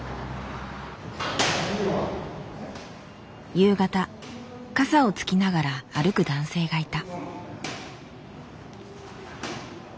夕方傘をつきながら歩く男性がいた。